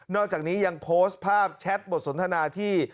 อกจากนี้ยังโพสต์ภาพแชทบทสนทนาที่